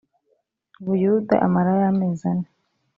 buyuda amarayo amezi ane